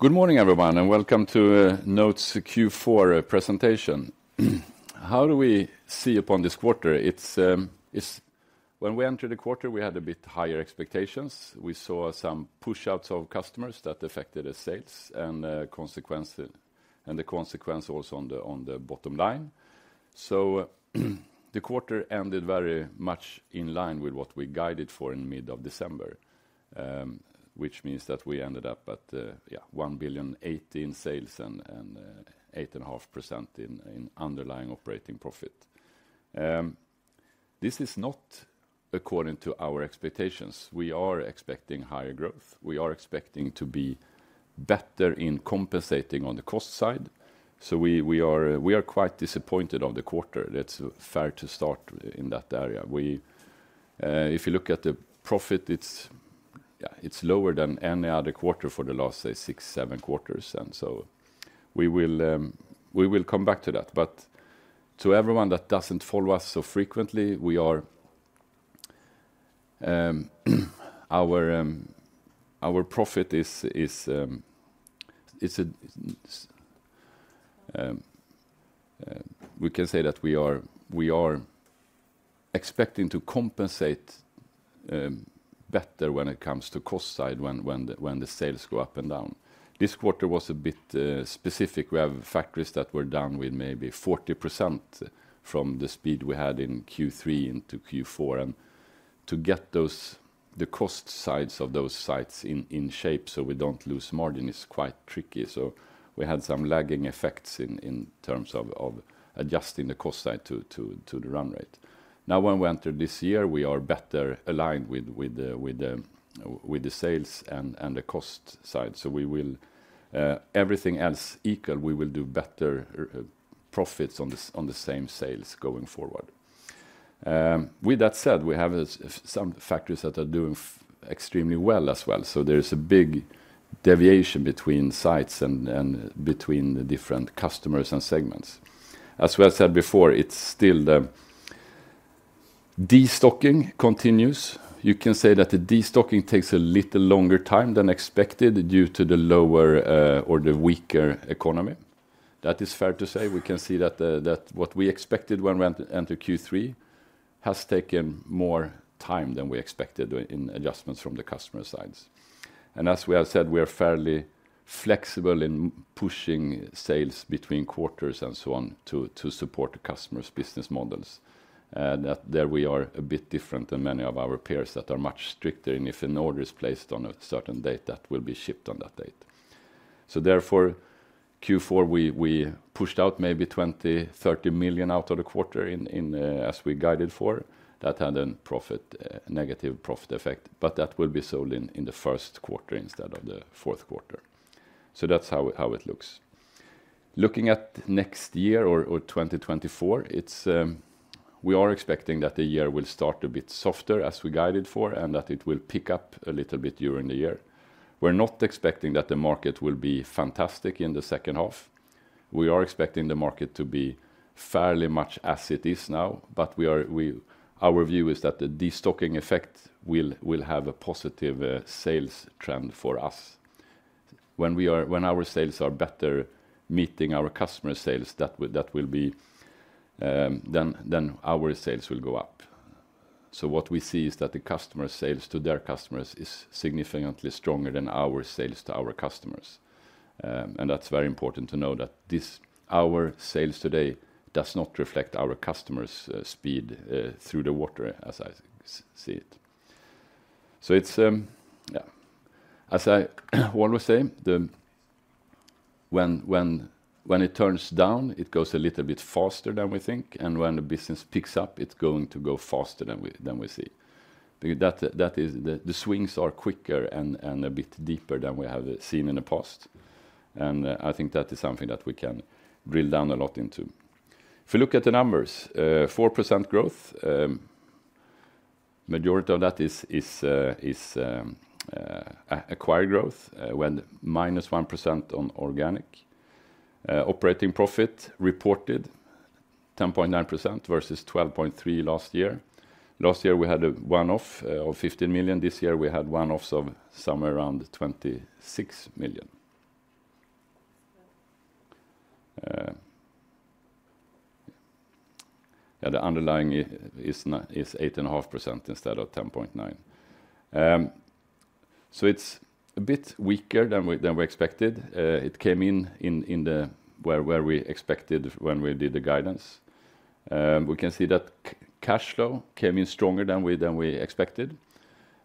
Good morning, everyone, and welcome to NOTE's Q4 presentation. How do we see upon this quarter? It's when we entered the quarter, we had a bit higher expectations. We saw some push outs of customers that affected the sales and the consequence also on the bottom line. So the quarter ended very much in line with what we guided for in mid-December, which means that we ended up at 1.018 billion sales and 8.5% in underlying operating profit. This is not according to our expectations. We are expecting higher growth. We are expecting to be better in compensating on the cost side, so we are quite disappointed on the quarter. That's fair to start in that area. We, if you look at the profit, it's, yeah, it's lower than any other quarter for the last, say, six, seven quarters, and so we will, we will come back to that. But to everyone that doesn't follow us so frequently, we are, our, our profit is, is, it's a, we can say that we are, we are expecting to compensate, better when it comes to cost side, when, when the, when the sales go up and down. This quarter was a bit, specific. We have factories that were down with maybe 40% from the speed we had in Q3 into Q4, and to get those, the cost sides of those sites in, in shape so we don't lose margin is quite tricky. So we had some lagging effects in terms of adjusting the cost side to the run rate. Now, when we entered this year, we are better aligned with the sales and the cost side. So we will, everything else equal, we will do better profits on the same sales going forward. With that said, we have some factories that are doing extremely well as well. So there is a big deviation between sites and between the different customers and segments. As we have said before, it's still the, destocking continues. You can say that the destocking takes a little longer time than expected due to the lower, or the weaker economy. That is fair to say. We can see that that what we expected when we enter Q3 has taken more time than we expected in adjustments from the customer sides. And as we have said, we are fairly flexible in pushing sales between quarters and so on, to support the customer's business models. That there we are a bit different than many of our peers that are much stricter, and if an order is placed on a certain date, that will be shipped on that date. So therefore, Q4, we pushed out maybe 20 million-30 million out of the quarter in, as we guided for. That had a profit, negative profit effect, but that will be sold in the first quarter instead of the fourth quarter. So that's how it looks. Looking at next year or 2024, it's we are expecting that the year will start a bit softer, as we guided for, and that it will pick up a little bit during the year. We're not expecting that the market will be fantastic in the second half. We are expecting the market to be fairly much as it is now, but our view is that the destocking effect will have a positive sales trend for us. When our sales are better meeting our customer sales, that will be then our sales will go up. So what we see is that the customer sales to their customers is significantly stronger than our sales to our customers. And that's very important to know that this, our sales today, does not reflect our customers', speed, through the water, as I see it. So it's, yeah. As I, what we say, the. When it turns down, it goes a little bit faster than we think, and when the business picks up, it's going to go faster than we, than we see. Because that is, the swings are quicker and a bit deeper than we have seen in the past. And I think that is something that we can drill down a lot into. If you look at the numbers, 4% growth, majority of that is acquired growth, when -1% on organic. Operating profit reported 10.9% versus 12.3% last year. Last year, we had a one-off of 50 million. This year, we had one-offs of somewhere around 26 million. Yeah, the underlying is 8.5% instead of 10.9%. So it's a bit weaker than we expected. It came in where we expected when we did the guidance. We can see that cash flow came in stronger than we expected.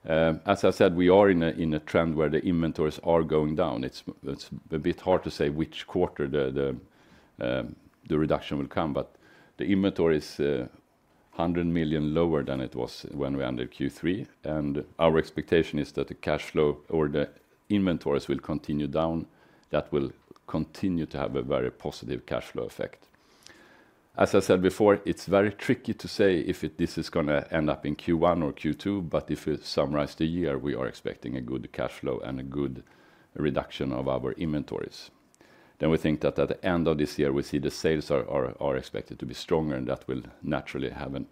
As I said, we are in a trend where the inventories are going down. It's a bit hard to say which quarter the reduction will come, but the inventory is 100 million lower than it was when we ended Q3, and our expectation is that the cash flow or the inventories will continue down. That will continue to have a very positive cash flow effect. As I said before, it's very tricky to say if this is gonna end up in Q1 or Q2, but if we summarize the year, we are expecting a good cash flow and a good reduction of our inventories. Then we think that at the end of this year, we see the sales are expected to be stronger, and that will naturally happen.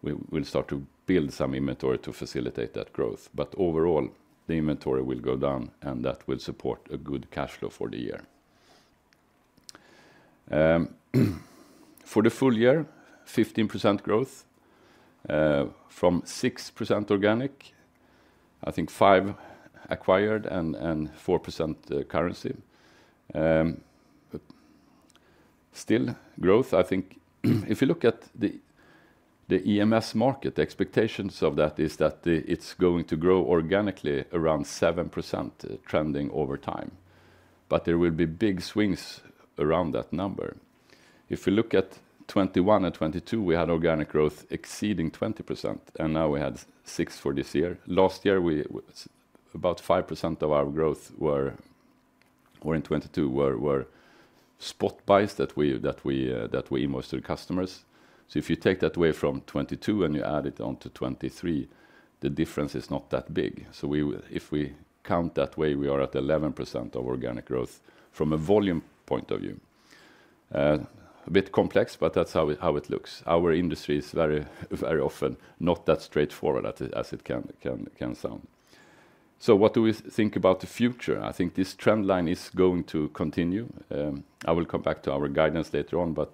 We'll start to build some inventory to facilitate that growth. But overall, the inventory will go down, and that will support a good cash flow for the year. For the full year, 15% growth from 6% organic, I think 5% acquired, and 4% currency. But still growth. I think, if you look at the EMS market, the expectations of that is that it's going to grow organically around 7%, trending over time, but there will be big swings around that number. If you look at 2021 and 2022, we had organic growth exceeding 20%, and now we had 6% for this year. Last year, about 5% of our growth were spot buys that we invoiced to the customers. So if you take that away from 2022 and you add it on to 2023, the difference is not that big. So we will, if we count that way, we are at 11% of organic growth from a volume point of view. A bit complex, but that's how it looks. Our industry is very, very often not that straightforward as it can sound. So what do we think about the future? I think this trend line is going to continue. I will come back to our guidance later on, but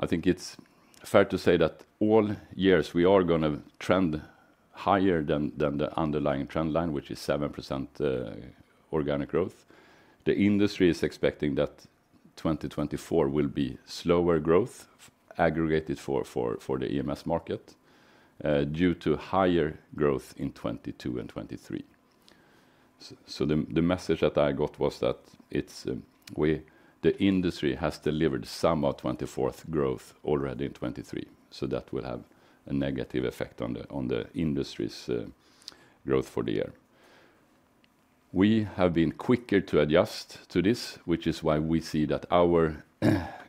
I think it's fair to say that all years, we are gonna trend higher than the underlying trend line, which is 7%, organic growth. The industry is expecting that 2024 will be slower growth, aggregated for the EMS market, due to higher growth in 2022 and 2023. So the message that I got was that it's, the industry has delivered some of 2024 growth already in 2023, so that will have a negative effect on the industry's growth for the year. We have been quicker to adjust to this, which is why we see that our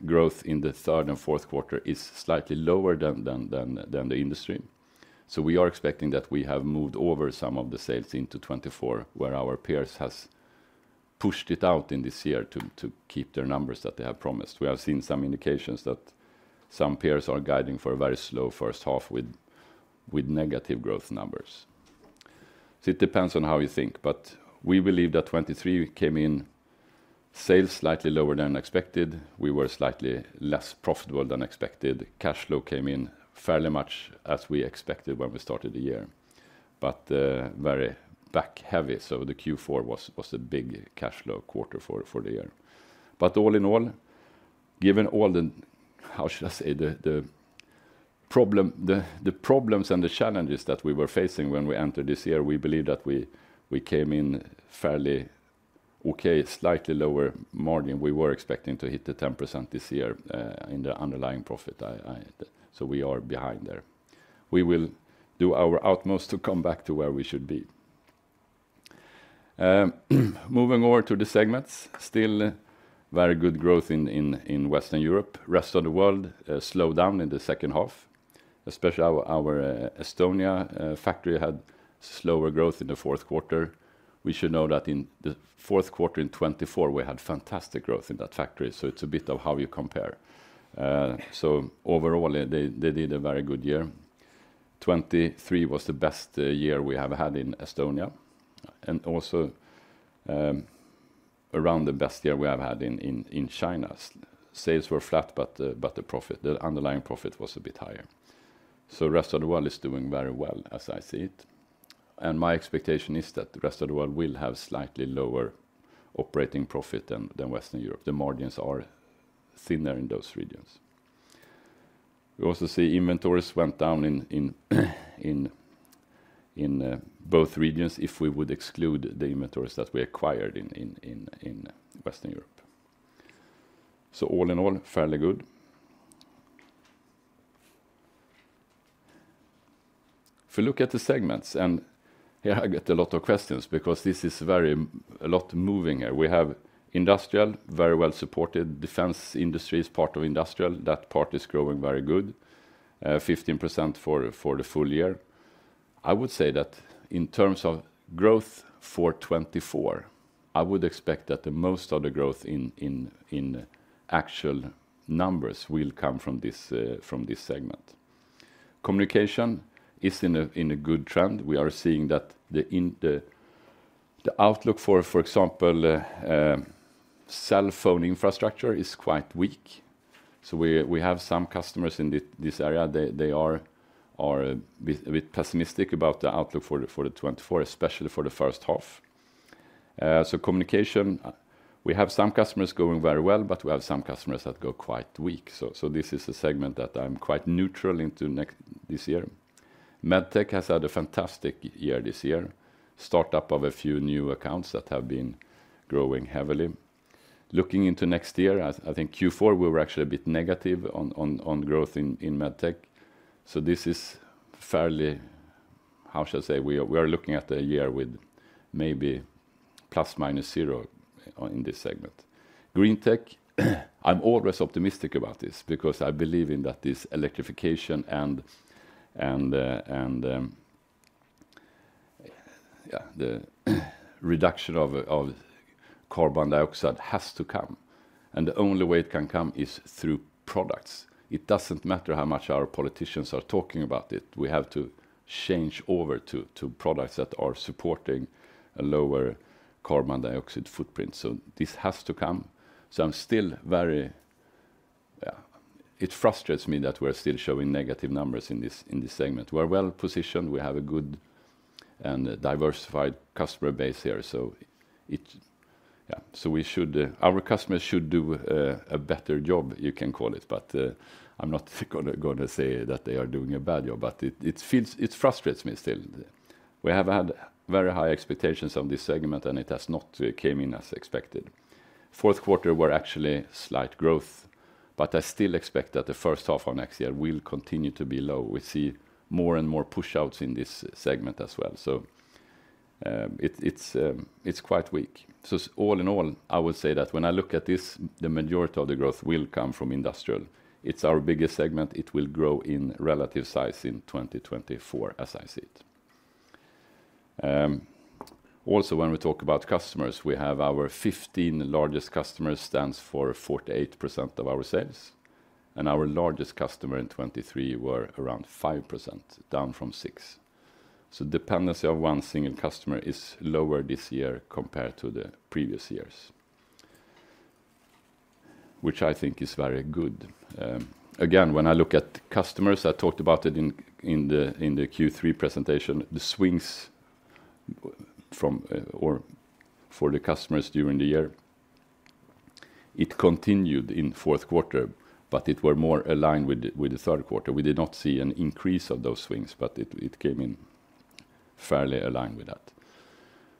growth in the third and fourth quarter is slightly lower than the industry. So we are expecting that we have moved over some of the sales into 2024, where our peers has pushed it out in this year to keep their numbers that they have promised. We have seen some indications that some peers are guiding for a very slow first half with negative growth numbers. So it depends on how you think, but we believe that 2023 came in sales slightly lower than expected. We were slightly less profitable than expected. Cash flow came in fairly much as we expected when we started the year, but very back heavy, so the Q4 was a big cash flow quarter for the year. But all in all, given all the problems and the challenges that we were facing when we entered this year, we believe that we came in fairly okay, slightly lower margin. We were expecting to hit the 10% this year in the underlying profit. So we are behind there. We will do our utmost to come back to where we should be. Moving over to the segments, still very good growth in Western Europe. Rest of the world slowed down in the second half, especially our Estonia factory had slower growth in the fourth quarter. We should know that in the fourth quarter in 2024, we had fantastic growth in that factory, so it's a bit of how you compare. So overall, they did a very good year. 23 was the best year we have had in Estonia, and also around the best year we have had in China. Sales were flat, but the profit, the underlying profit was a bit higher. So the Rest of the World is doing very well, as I see it. And my expectation is that the Rest of the World will have slightly lower operating profit than Western Europe. The margins are thinner in those regions. We also see inventories went down in both regions, if we would exclude the inventories that we acquired in Western Europe. So all in all, fairly good. If you look at the segments, and here, I get a lot of questions because this is very, a lot moving here. We have Industrial, very well-supported. Defense industry is part of Industrial. That part is growing very good, 15% for the full year. I would say that in terms of growth for 2024, I would expect that most of the growth in actual numbers will come from this segment. Communication is in a good trend. We are seeing that the outlook, for example, cell phone infrastructure is quite weak. So we have some customers in this area. They are a bit pessimistic about the outlook for 2024, especially for the first half. So communication, we have some customers going very well, but we have some customers that go quite weak. So this is a segment that I'm quite neutral into next this year. MedTech has had a fantastic year this year, start up of a few new accounts that have been growing heavily. Looking into next year, I think Q4, we were actually a bit negative on growth in MedTech. So this is fairly, how should I say, we are looking at a year with maybe plus or minus zero in this segment. GreenTech, I'm always optimistic about this because I believe in that this electrification and yeah, the reduction of carbon dioxide has to come, and the only way it can come is through products. It doesn't matter how much our politicians are talking about it, we have to change over to products that are supporting a lower carbon dioxide footprint. So this has to come. So, I'm still. Yeah, it frustrates me that we're still showing negative numbers in this, in this segment. We're well-positioned, we have a good and a diversified customer base here, so it. Yeah, so our customers should do a better job, you can call it, but, I'm not gonna, gonna say that they are doing a bad job, but it, it feels it frustrates me still. We have had very high expectations of this segment, and it has not came in as expected. Fourth quarter were actually slight growth, but I still expect that the first half of next year will continue to be low. We see more and more pushouts in this segment as well. So, it, it's, it's quite weak. So all in all, I would say that when I look at this, the majority of the growth will come from Industrial. It's our biggest segment. It will grow in relative size in 2024, as I see it. Also, when we talk about customers, we have our 15 largest customers stands for 48% of our sales, and our largest customer in 2023 were around 5%, down from 6%. So dependency of one single customer is lower this year compared to the previous years, which I think is very good. Again, when I look at customers, I talked about it in, in the, in the Q3 presentation, the swings from, or for the customers during the year, it continued in fourth quarter, but it were more aligned with the, with the third quarter. We did not see an increase of those swings, but it came in fairly aligned with that.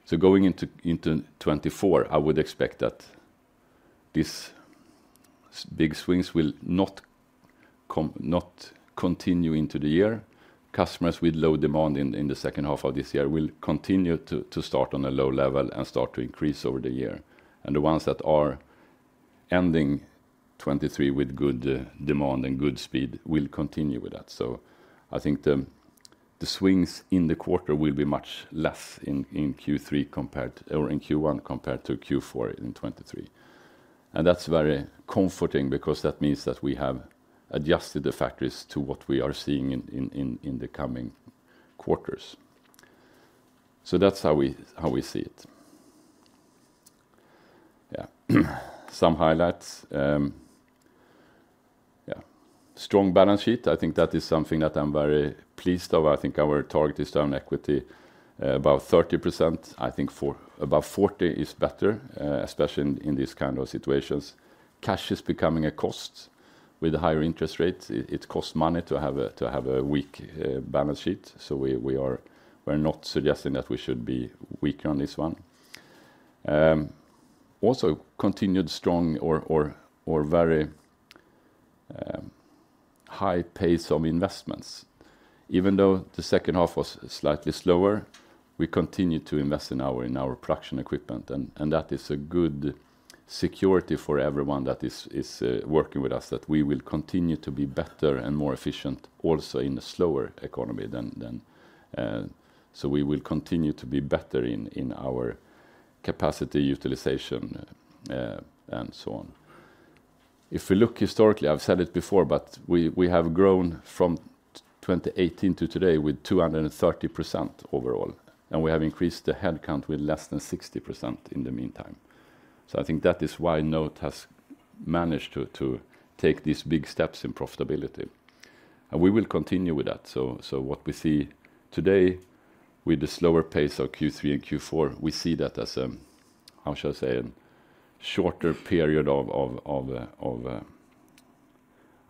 So going into 2024, I would expect that these big swings will not continue into the year. Customers with low demand in the second half of this year will continue to start on a low level and start to increase over the year, and the ones that are ending 2023 with good demand and good speed will continue with that. So I think the swings in the quarter will be much less in Q1 compared to Q4 in 2023. And that's very comforting because that means that we have adjusted the factories to what we are seeing in the coming quarters. So that's how we see it. Yeah. Some highlights. Yeah, strong balance sheet, I think that is something that I'm very pleased of. I think our target is down equity, about 30%. I think for above 40% is better, especially in these kind of situations. Cash is becoming a cost. With higher interest rates, it costs money to have a weak balance sheet, so we are - we're not suggesting that we should be weaker on this one. Also continued strong or very high pace of investments. Even though the second half was slightly slower, we continued to invest in our production equipment, and that is a good security for everyone that is working with us, that we will continue to be better and more efficient, also in a slower economy than. So we will continue to be better in our capacity utilization, and so on. If we look historically, I've said it before, but we have grown from 2018 to today with 230% overall, and we have increased the head count with less than 60% in the meantime. So I think that is why NOTE has managed to take these big steps in profitability, and we will continue with that. So what we see today with the slower pace of Q3 and Q4, we see that as, how should I say? A shorter period of,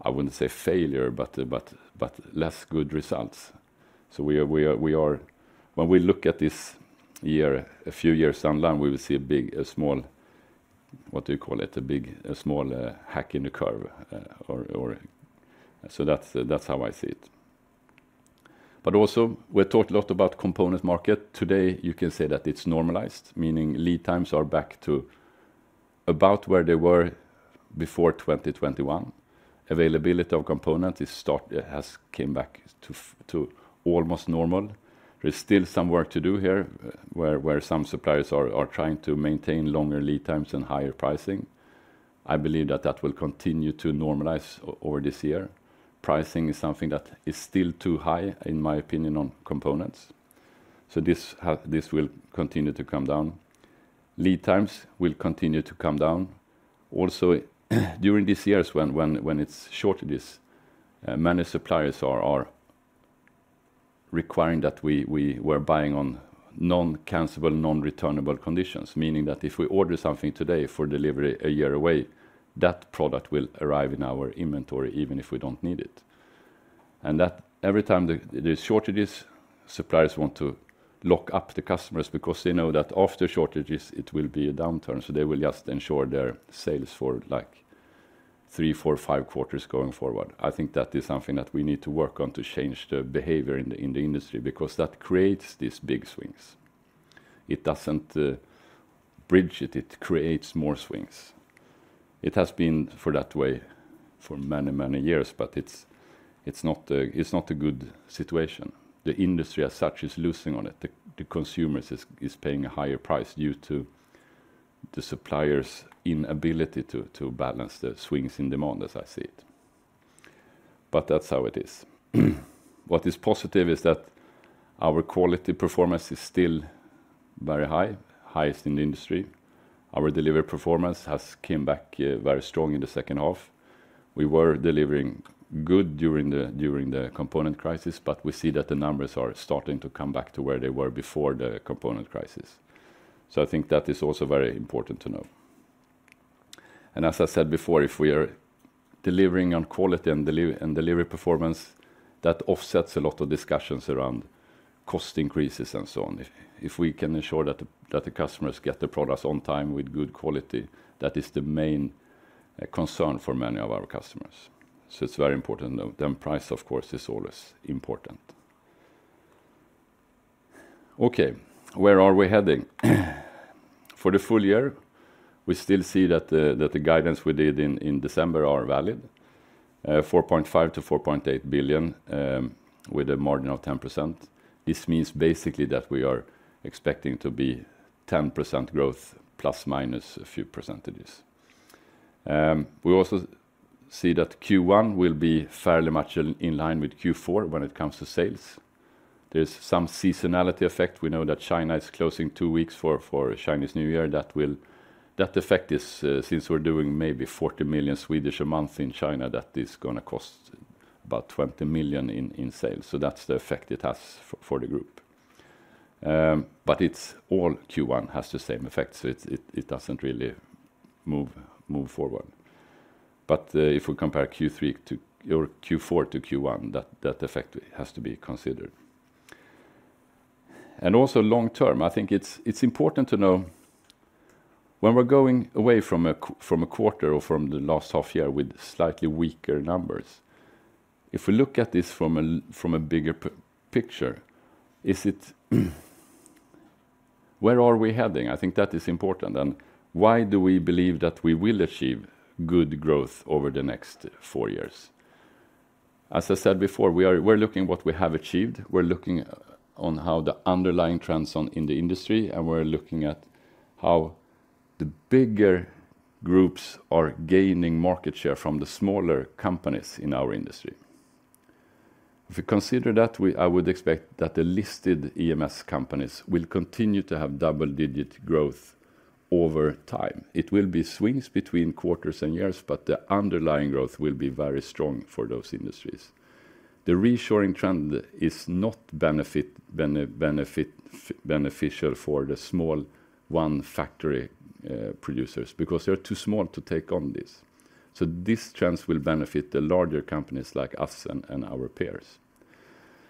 I wouldn't say failure, but less good results. So when we look at this year, a few years down the line, we will see a big, a small, what do you call it? A big, a small, hiccup in the curve, or. So that's how I see it. But also, we talked a lot about component market. Today, you can say that it's normalized, meaning lead times are back to about where they were before 2021. Availability of component has come back to almost normal. There's still some work to do here, where some suppliers are trying to maintain longer lead times and higher pricing. I believe that will continue to normalize over this year. Pricing is something that is still too high, in my opinion, on components, so this will continue to come down. Lead times will continue to come down. Also, during these years, when it's shortages, many suppliers are requiring that we were buying on non-cancelable, non-returnable conditions, meaning that if we order something today for delivery a year away, that product will arrive in our inventory, even if we don't need it. And that every time there's shortages, suppliers want to lock up the customers because they know that after shortages, it will be a downturn, so they will just ensure their sales for, like, three, four, five quarters going forward. I think that is something that we need to work on to change the behavior in the industry, because that creates these big swings. It doesn't bridge it, it creates more swings. It has been that way for many, many years, but it's not a good situation. The industry, as such, is losing on it. The consumers is paying a higher price due to the suppliers' inability to balance the swings in demand, as I see it. But that's how it is. What is positive is that our quality performance is still very high, highest in the industry. Our delivery performance has came back very strong in the second half. We were delivering good during the component crisis, but we see that the numbers are starting to come back to where they were before the component crisis. So I think that is also very important to know. As I said before, if we are delivering on quality and delivery performance, that offsets a lot of discussions around cost increases, and so on. If we can ensure that the customers get the products on time with good quality, that is the main concern for many of our customers. So it's very important, though. Then price, of course, is always important. Okay, where are we heading? For the full year, we still see that the guidance we did in December is valid, 4.5 billion-4.8 billion, with a margin of 10%. This means basically that we are expecting 10% growth, plus, minus a few percentages. We also see that Q1 will be fairly much in line with Q4 when it comes to sales. There's some seasonality effect. We know that China is closing two weeks for Chinese New Year. That effect is, since we're doing maybe 40 million a month in China, that is gonna cost about 20 million in sales, so that's the effect it has for the group. But it's all Q1 has the same effect, so it doesn't really move forward. But if we compare Q3 to or Q4 to Q1, that effect has to be considered. And also long term, I think it's important to know when we're going away from a quarter or from the last half year with slightly weaker numbers, if we look at this from a bigger picture, is it, where are we heading? I think that is important, and why do we believe that we will achieve good growth over the next four years? As I said before, we're looking what we have achieved, we're looking on how the underlying trends in the industry, and we're looking at how the bigger groups are gaining market share from the smaller companies in our industry. If we consider that, I would expect that the listed EMS companies will continue to have double-digit growth over time. It will be swings between quarters and years, but the underlying growth will be very strong for those industries. The reshoring trend is not beneficial for the small one-factory producers because they are too small to take on this. So these trends will benefit the larger companies like us and our peers.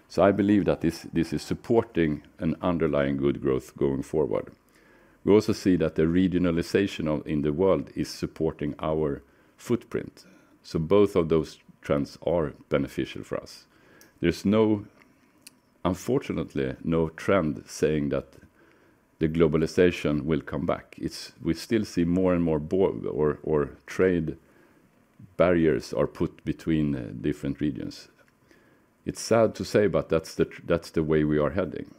So I believe that this is supporting an underlying good growth going forward. We also see that the regionalization in the world is supporting our footprint, so both of those trends are beneficial for us. There's unfortunately no trend saying that the globalization will come back. It's We still see more and more borders or trade barriers are put between different regions. It's sad to say, but that's that's the way we are heading.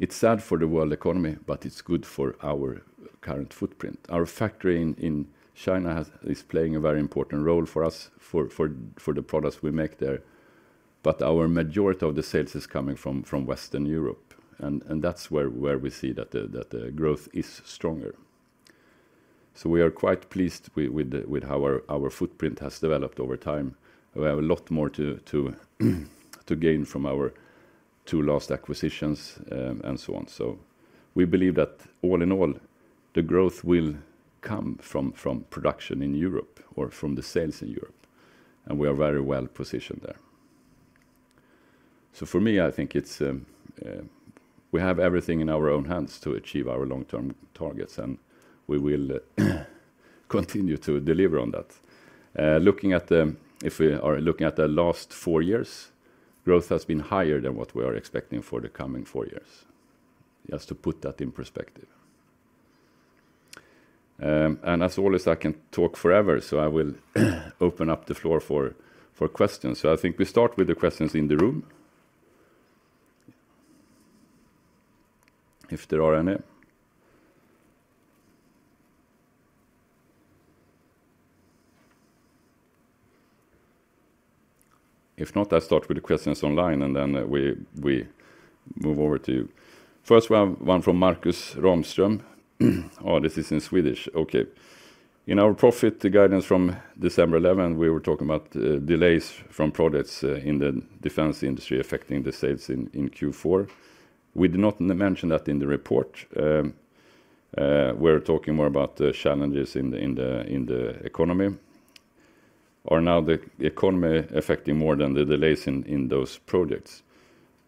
So, it's sad for the world economy, but it's good for our current footprint. Our factory in China is playing a very important role for us, for the products we make there, but our majority of the sales is coming from Western Europe, and that's where we see that the growth is stronger. So we are quite pleased with how our footprint has developed over time. We have a lot more to gain from our two last acquisitions, and so on. So we believe that all in all, the growth will come from production in Europe or from the sales in Europe, and we are very well positioned there. So for me, I think it's we have everything in our own hands to achieve our long-term targets, and we will continue to deliver on that. Looking at the. If we are looking at the last four years, growth has been higher than what we are expecting for the coming four years, just to put that in perspective. And as always, I can talk forever, so I will open up the floor for questions. So I think we start with the questions in the room. If there are any. If not, I start with the questions online, and then we move over to you. First one from Marcus Ramström. Oh, this is in Swedish. Okay. In our report, the guidance from December 11, we were talking about delays from products in the defense industry affecting the sales in Q4. We did not mention that in the report. We're talking more about the challenges in the economy. Or now the economy affecting more than the delays in those projects?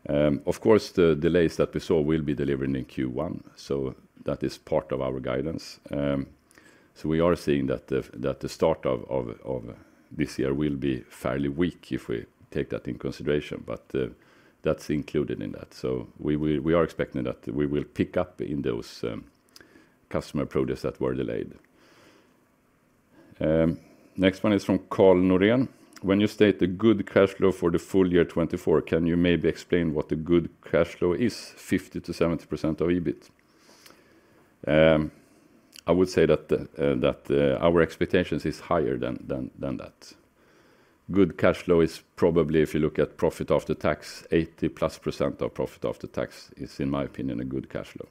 Of course, the delays that we saw will be delivered in Q1, so that is part of our guidance. So we are seeing that the start of this year will be fairly weak if we take that into consideration, but that's included in that. So we are expecting that we will pick up in those customer projects that were delayed. Next one is from Carl Norén: When you state the good cash flow for the full year 2024, can you maybe explain what a good cash flow is, 50%-70% of EBIT? I would say that our expectations is higher than that. Good cash flow is probably, if you look at profit after tax, 80%+ of profit after tax is, in my opinion, a good cash flow.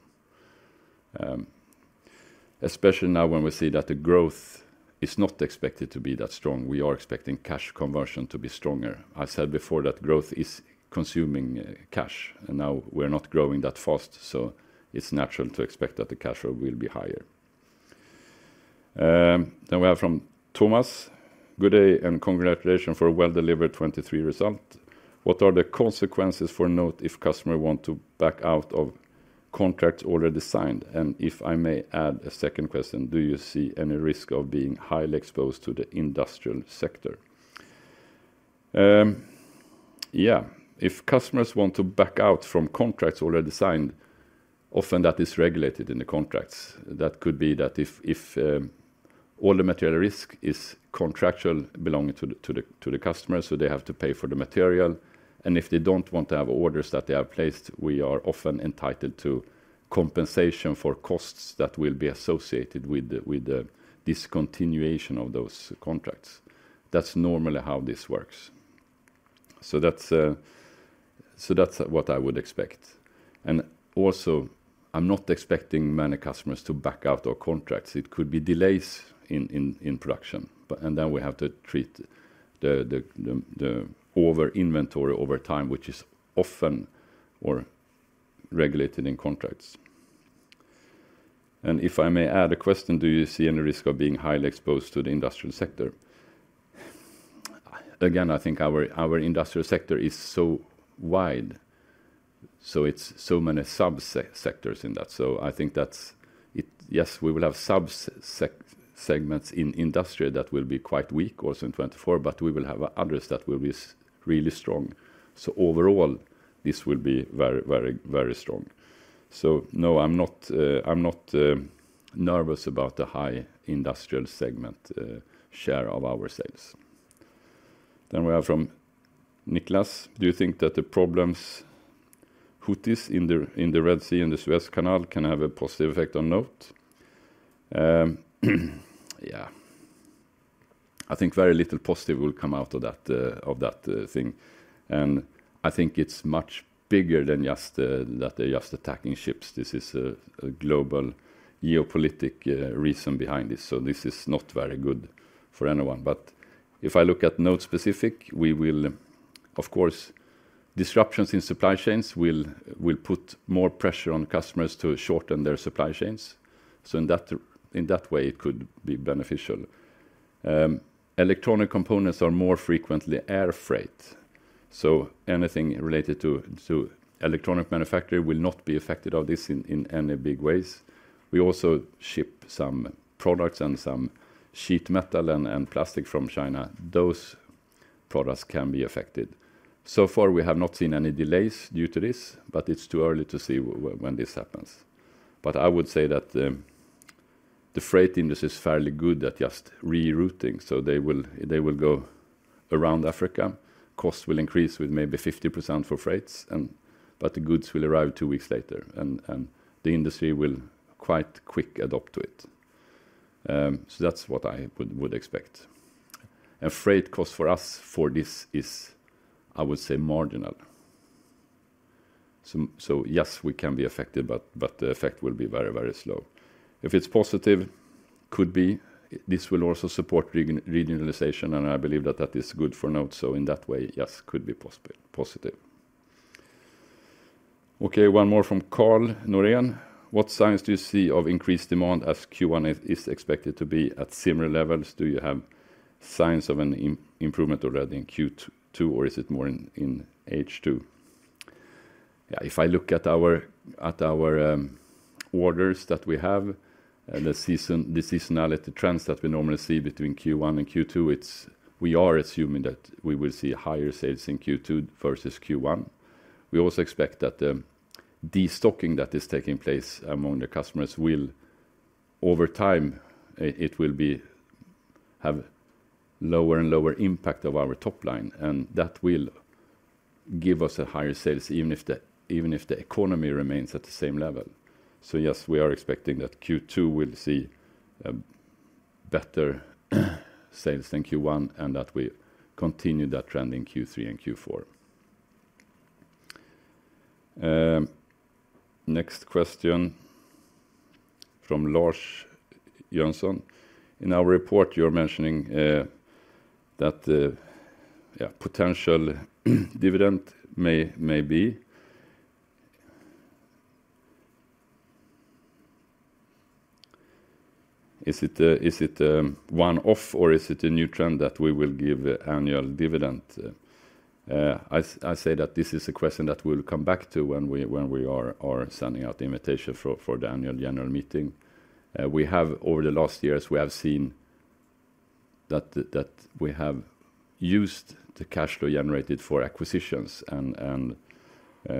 Especially now when we see that the growth is not expected to be that strong, we are expecting cash conversion to be stronger. I said before that growth is consuming, cash, and now we're not growing that fast, so it's natural to expect that the cash flow will be higher. Then we have from Thomas: Good day, and congratulations for a well-delivered 2023 result. What are the consequences for Note if customer want to back out of contracts already signed? And if I may add a second question, do you see any risk of being highly exposed to the Industrial sector? Yeah, if customers want to back out from contracts already signed, often that is regulated in the contracts. That could be if all the material risk is contractual belonging to the customer, so they have to pay for the material, and if they don't want to have orders that they have placed, we are often entitled to compensation for costs that will be associated with the discontinuation of those contracts. That's normally how this works. So that's what I would expect. And also, I'm not expecting many customers to back out of our contracts. It could be delays in production, and then we have to treat the over inventory over time, which is often regulated in contracts. And if I may add a question, do you see any risk of being highly exposed to the Industrial sector? Again, I think our, our Industrial sector is so wide, so it's so many sub-sectors in that. So I think that's it. Yes, we will have sub-segments in industry that will be quite weak also in 2024, but we will have others that will be really strong. So overall, this will be very, very, very strong. So no, I'm not, I'm not nervous about the high Industrial segment share of our sales. Then we have from Nicholas: Do you think that the problems Houthi in the, in the Red Sea and the Suez Canal can have a positive effect on NOTE? Yeah. I think very little positive will come out of that, of that thing. And I think it's much bigger than just that they're just attacking ships. This is a global geopolitical reason behind this, so this is not very good for anyone. But if I look at NOTE-specific, we will, of course, disruptions in supply chains will put more pressure on customers to shorten their supply chains, so in that way, it could be beneficial. Electronic components are more frequently air freight, so anything related to electronic manufacturer will not be affected of this in any big ways. We also ship some products and some sheet metal and plastic from China. Those products can be affected. So far, we have not seen any delays due to this, but it's too early to see when this happens. But I would say that the freight industry is fairly good at just rerouting, so they will go around Africa. Costs will increase with maybe 50% for freights, and but the goods will arrive two weeks later, and the industry will quite quick adapt to it. So that's what I would expect. And freight cost for us for this is, I would say, marginal. So yes, we can be affected, but the effect will be very, very slow. If it's positive, could be, this will also support regionalization, and I believe that that is good for NOTE, so in that way, yes, could be positive. Okay, one more from Carl Norén: What signs do you see of increased demand as Q1 is expected to be at similar levels? Do you have signs of an improvement already in Q2, or is it more in H2? Yeah, if I look at our orders that we have, the seasonality trends that we normally see between Q1 and Q2, it's. We are assuming that we will see higher sales in Q2 versus Q1. We also expect that destocking that is taking place among the customers will, over time, have lower and lower impact of our top line, and that will give us a higher sales, even if the economy remains at the same level. So yes, we are expecting that Q2 will see better sales than Q1, and that we continue that trend in Q3 and Q4. Next question from Lars Jonsson: In our report, you're mentioning that the potential dividend may be. Is it a one-off, or is it a new trend that we will give annual dividend? I say that this is a question that we'll come back to when we are sending out the invitation for the annual general meeting. Over the last years, we have seen that we have used the cash flow generated for acquisitions, and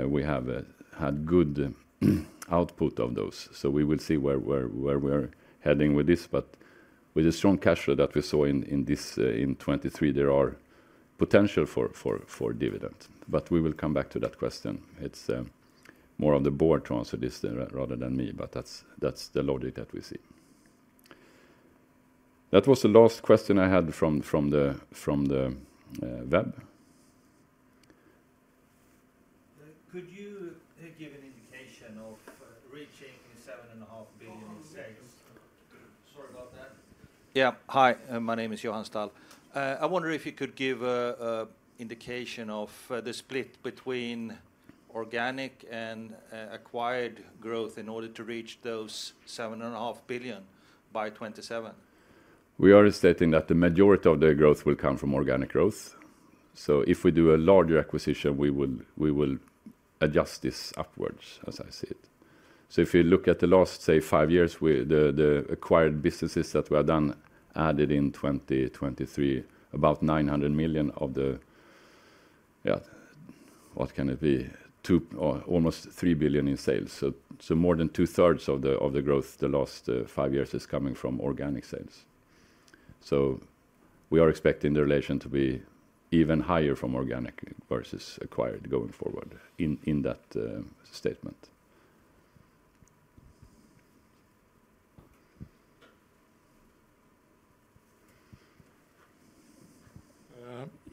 we have had good output of those. So we will see where we're heading with this, but with the strong cash flow that we saw in 2023, there are potential for dividends. But we will come back to that question. It's more of the board to answer this rather than me, but that's the logic that we see. That was the last question I had from the web. Could you give an indication of reaching SEK 7.5 billion in sales? Sorry about that. Yeah. Hi, my name is Johan Ståhl. I wonder if you could give an indication of the split between organic and acquired growth in order to reach those 7.5 billion by 2027. We are stating that the majority of the growth will come from organic growth. So if we do a larger acquisition, we will, we will adjust this upwards, as I see it. So if you look at the last, say, five years, the acquired businesses that were done added in 2023, about 900 million of the. Yeah, what can it be? 2 or almost 3 billion in sales. So, so more than 2/3 of the growth the last, five years is coming from organic sales. So we are expecting the relation to be even higher from organic versus acquired going forward in, in that, statement.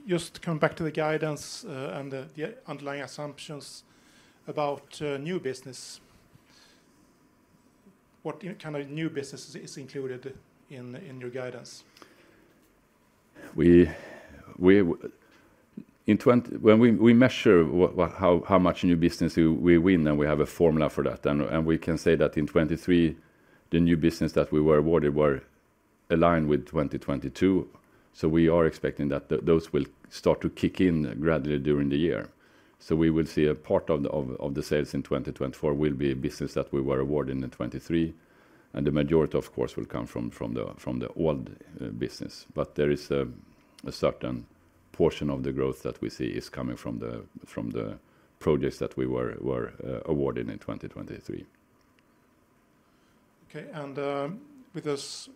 Just to come back to the guidance and the underlying assumptions about new business. What kind of new business is included in your guidance? When we measure how much new business we win, then we have a formula for that. And we can say that in 2023, the new business that we were awarded were aligned with 2022, so we are expecting that those will start to kick in gradually during the year. So we will see a part of the sales in 2024 will be business that we were awarded in 2023, and the majority, of course, will come from the old business. But there is a certain portion of the growth that we see is coming from the projects that we were awarded in 2023. Okay, and with this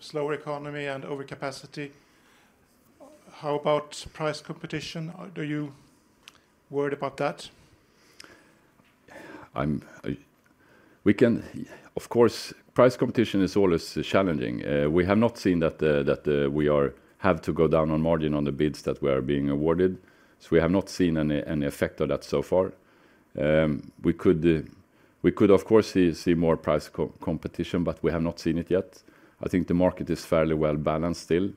slower economy and overcapacity, how about price competition? Are you worried about that? Of course, price competition is always challenging. We have not seen that we have to go down on margin on the bids that we are being awarded, so we have not seen any effect of that so far. We could, of course, see more price competition, but we have not seen it yet. I think the market is fairly well-balanced still.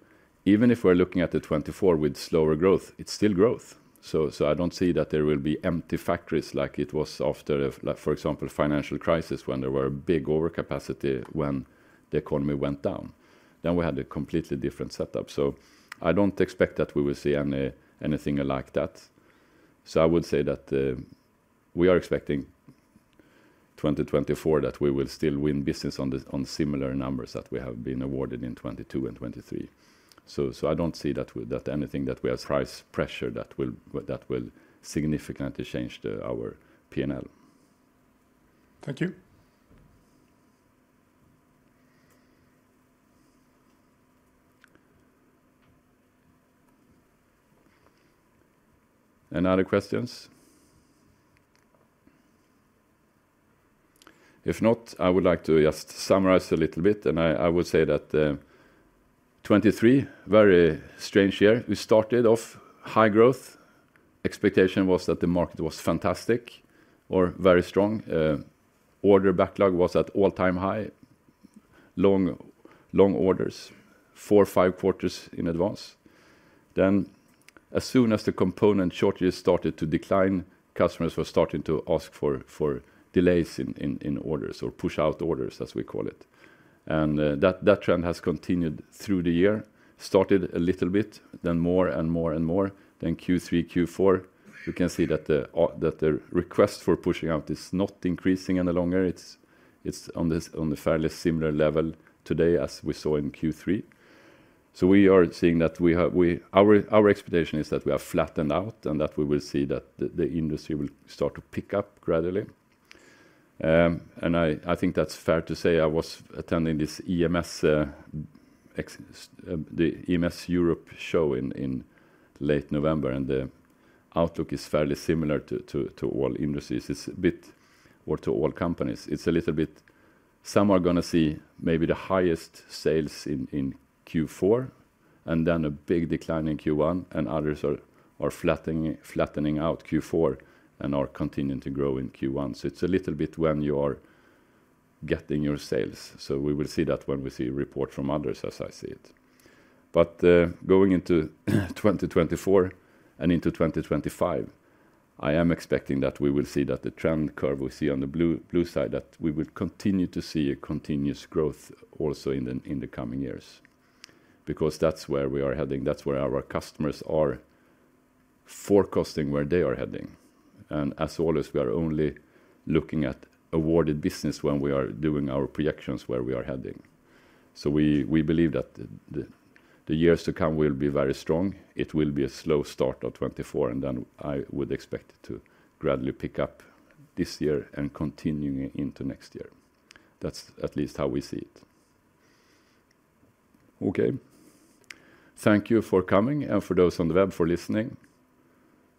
Even if we're looking at the 2024 with slower growth, it's still growth. So I don't see that there will be empty factories like it was after, like, for example, financial crisis, when there were a big overcapacity when the economy went down. Then we had a completely different setup, so I don't expect that we will see anything like that. So I would say that, we are expecting 2024, that we will still win business on the, on similar numbers that we have been awarded in 2022 and 2023. So, so I don't see that that anything that we have price pressure that will, that will significantly change the, our P&L. Thank you. Any other questions? If not, I would like to just summarize a little bit, and I would say that 2023, very strange year. We started off high growth. Expectation was that the market was fantastic or very strong. Order backlog was at all-time high. Long, long orders, four, five quarters in advance. Then, as soon as the component shortages started to decline, customers were starting to ask for delays in orders, or push out orders, as we call it. And that trend has continued through the year, started a little bit, then more, and more, and more. Then Q3, Q4, you can see that the request for pushing out is not increasing any longer. It's on a fairly similar level today as we saw in Q3. So we are seeing that we have. Our expectation is that we are flattened out, and that we will see that the industry will start to pick up gradually. And I think that's fair to say. I was attending the EMS Europe show in late November, and the outlook is fairly similar to all industries. It's a bit, or to all companies. It's a little bit; some are gonna see maybe the highest sales in Q4, and then a big decline in Q1, and others are flattening out Q4 and are continuing to grow in Q1. So it's a little bit when you are getting your sales, so we will see that when we see report from others, as I see it. But going into 2024 and into 2025, I am expecting that we will see that the trend curve we see on the blue, blue side, that we will continue to see a continuous growth also in the coming years. Because that's where we are heading, that's where our customers are forecasting where they are heading. And as always, we are only looking at awarded business when we are doing our projections where we are heading. So we believe that the years to come will be very strong. It will be a slow start of 2024, and then I would expect it to gradually pick up this year and continuing into next year. That's at least how we see it. Okay. Thank you for coming, and for those on the web, for listening.